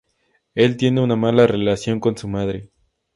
Él tiene una mala relación con su madre.